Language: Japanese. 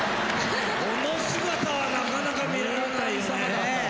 この姿はなかなか見られないですね。